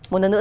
một lần nữa